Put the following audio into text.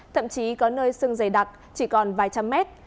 thậm chí có nơi sưng dày đặc chỉ còn vài trăm mét